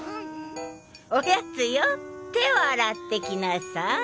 おやつよ手を洗ってきなさい。